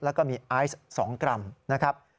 แล้วก็มีไอซ์๒กรัม